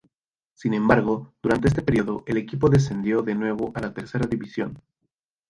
Sin embargo, durante este período, el equipo descendió de nuevo a la tercera división.